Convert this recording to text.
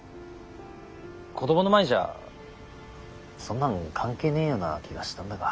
子どもの前じゃそんなん関係ねえような気がしたんだが。